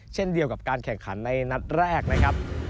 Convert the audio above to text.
เช่นเดียวกับการแข่งขันในนัดแรกนะครับ